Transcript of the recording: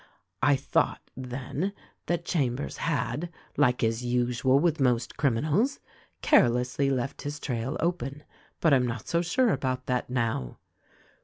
I thought, then, that Chambers had, like is usual with most criminals, carelessly left his trail open ; but I'm not so sure about that now.